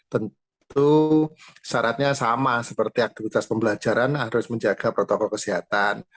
tentu syaratnya sama seperti aktivitas pembelajaran harus menjaga protokol kesehatan